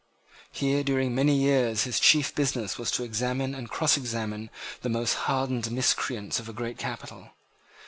Here, during many years his chief business was to examine and crossexamine the most hardened miscreants of a great capital.